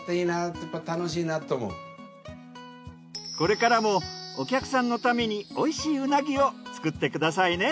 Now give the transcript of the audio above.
これからもお客さんのためにおいしいうなぎを作ってくださいね。